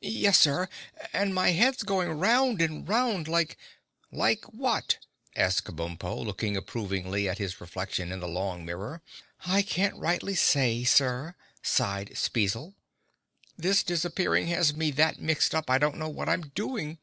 "Yes, Sir, and my head's going round and round like—" "Like what?" asked Kabumpo, looking approvingly at his reflection in the long mirror. "I can't rightly say, Sir," sighed Spezzle. "This disappearing has me that mixed up I don't know what I'm doing."